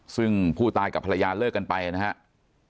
ซึ่งผู้ตายกับภรรยาเลิกกันไปนะครับ